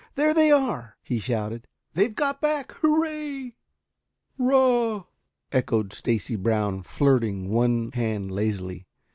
There they are!" he shouted. "They've got back. Hurrah!" "Rah!" echoed Stacy Brown, flirting one hand lazily.